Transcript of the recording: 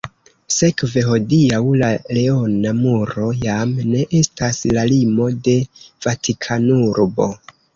Sekve hodiaŭ la leona muro jam ne estas la limo de Vatikanurbo.